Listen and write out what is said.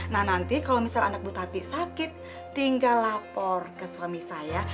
nah nanti kalau misal anak bu tati sakit tinggal lapor ke suami saya